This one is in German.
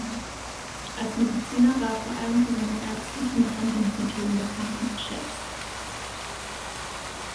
Als Mediziner war er vor allem für seine ärztlichen Behandlungsmethoden bekannt und geschätzt.